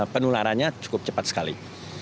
penularannya cukup cepat sekali